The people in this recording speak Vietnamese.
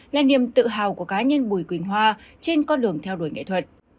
là niềm tự hào của cá nhân bùi quỳnh hoa trên con đường theo đuổi nghệ thuật